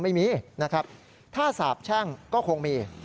ไม่มีถ้าสาบแช่งก็คงมี